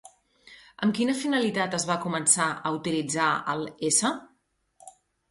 Amb quina finalitat es va començar a utilitzar al s.